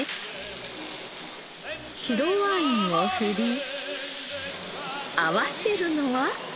白ワインを振り合わせるのは。